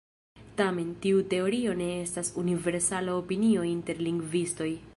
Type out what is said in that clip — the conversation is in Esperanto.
Tamen, tiu teorio ne estas universala opinio inter lingvistoj.